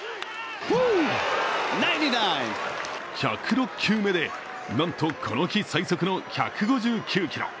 １０６球目でなんとこの日最速の１５９キロ。